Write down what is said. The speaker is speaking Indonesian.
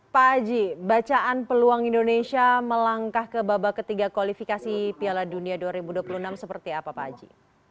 pak haji bacaan peluang indonesia melangkah ke babak ketiga kualifikasi piala dunia dua ribu dua puluh enam seperti apa pak haji